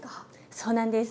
そうなんです。